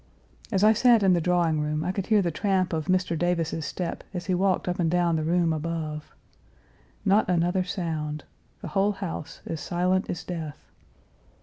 As I sat in the drawing room, I could hear the tramp of Mr. Davis's step as he walked up and down the room above. Not another sound. The whole house as silent as death.